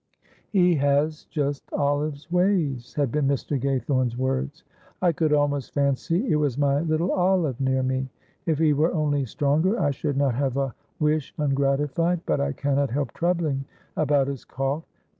"He has just Olive's ways," had been Mr. Gaythorne's words. "I could almost fancy it was my little Olive near me. If he were only stronger I should not have a wish ungratified, but I cannot help troubling about his cough. Dr.